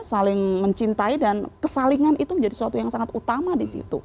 saling mencintai dan kesalingan itu menjadi suatu yang sangat utama disitu